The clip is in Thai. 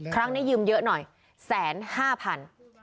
ครั้งนี้ยืมเยอะหน่อยแสนห้าพัน